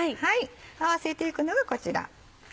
合わせていくのがこちら。